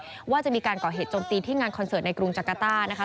เพราะว่าจะมีการก่อเหตุจมตีที่งานคอนเสิร์ตในกรุงจักรต้านะคะ